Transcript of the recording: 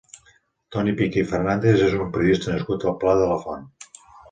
Toni Piqué i Fernàndez és un periodista nascut al Pla de la Font.